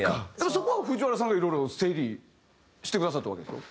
そこは藤原さんがいろいろ整理してくださったわけでしょ？